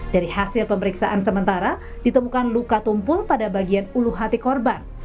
dari hasil pemeriksaan sementara ditemukan luka tumpul pada bagian ulu hati korban